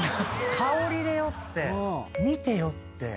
香りで酔って見て酔って。